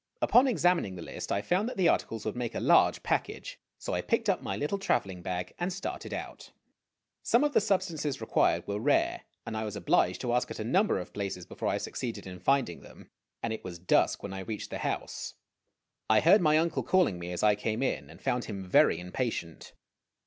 Upon examining the list I found that the articles would make a large package, so I picked up my little travelincr baor and started out. o> o Some of the substances required were rare, and I was obliged to ask at a number of places before I succeeded in finding them ; and it was dusk when I reached the house. I heard my uncle calling me as I came in, and found him very impatient.